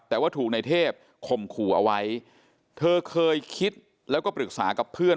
แต่ว่าถูกในเทพข่มขู่เอาไว้เธอเคยคิดแล้วก็ปรึกษากับเพื่อน